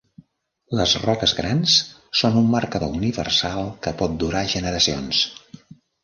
Les roques grans són un marcador universal que pot durar generacions.